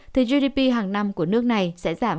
thì gdp hàng năm của nước này sẽ giảm